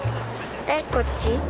えっこっち。